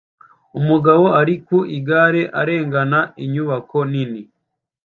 Umugabo uri ku igare arengana inyubako nini